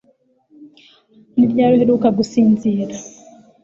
Ni ryari uheruka gusinzira?